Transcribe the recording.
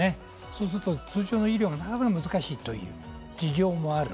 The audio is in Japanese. そうすると通常の医療、なかなか難しいという事情もある。